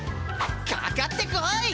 かかってこい！